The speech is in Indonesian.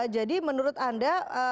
jadi menurut anda